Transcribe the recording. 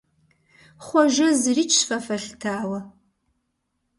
Хъуэжэ зырикӀщ фэ фэлъытауэ.